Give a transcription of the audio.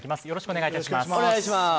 よろしくお願いします。